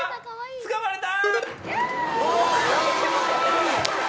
つかまれた！